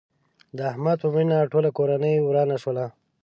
د احمد په مړینه ټوله کورنۍ ورانه شوله.